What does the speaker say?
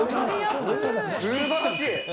すばらしい。